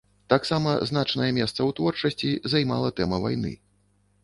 Таксама значнае месца ў творчасці займала тэма вайны.